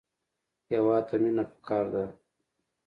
هېواد ته مینه پکار ده